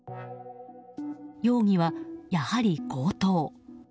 容疑はやはり強盗。